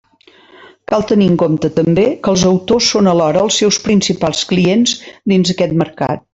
Cal tenir en compte també que els autors són alhora els seus principals clients dins d'aquest mercat.